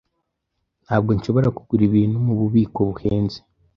Ntabwo nshobora kugura ibintu mububiko buhenze.